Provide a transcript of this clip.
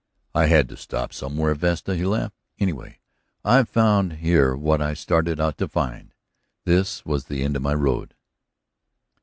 "I had to stop somewhere, Vesta," he laughed. "Anyway, I've found here what I started out to find. This was the end of my road."